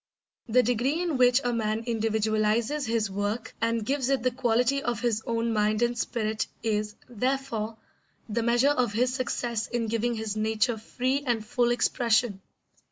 The degree in which a man individualises his work and gives it the quality of his own mind and spirit is, therefore, the measure of his success in giving his nature free and full expression.